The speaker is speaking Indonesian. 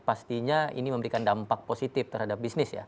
pastinya ini memberikan dampak positif terhadap bisnis ya